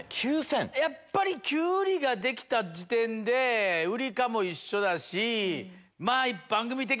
やっぱりキュウリができた時点でウリ科も一緒だしまぁ。